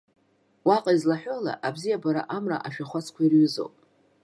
Уаҟа излаҳәо ала, абзиабара амра ашәахәацқәа ирҩызоуп.